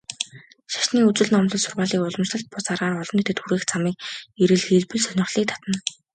Шашны үзэл номлол, сургаалыг уламжлалт бус аргаар олон нийтэд хүргэх замыг эрэлхийлбэл сонирхлыг татна.